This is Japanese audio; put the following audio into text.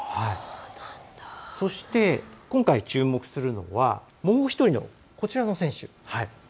そして、今回注目するのはもう１人の選手。